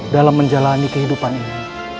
dalam menjalani kehidupan ini